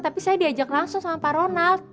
tapi saya diajak langsung sama pak ronald